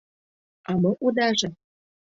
А мо удаже?